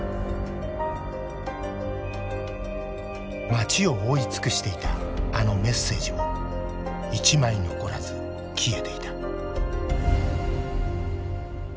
街を覆い尽くしていたあのメッセージも一枚残らず消えていた。